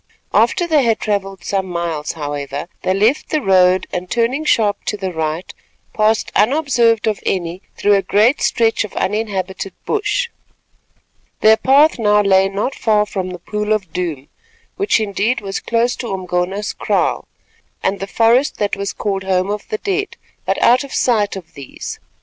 After they had travelled some miles, however, they left the road and turning sharp to the right, passed unobserved of any through a great stretch of uninhabited bush. Their path now lay not far from the Pool of Doom, which, indeed, was close to Umgona's kraal, and the forest that was called Home of the Dead, but out of sight of these.